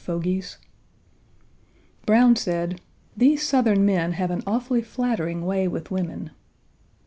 Page 49 Browne said: "These Southern men have an awfully flattering Way with women."